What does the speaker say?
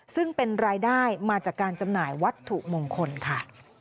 ซึ่งเป็นรายได้มาจากการจำหน่ายวัตถุมงคลค่ะ